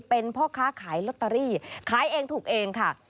เป็นพ่อค้าขายลอตเตอรี่ขายเองถูกเองค่ะ